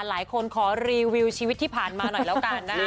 หลายคนขอรีวิวชีวิตที่ผ่านมาหน่อยแล้วกัน